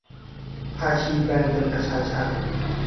พาชีแปลงเป็นอาชาชาญ